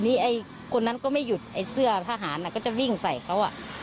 มีรถจักรยานเดินสี่คันแล้วก็วัยรุ่นสี่คนประมาณนี้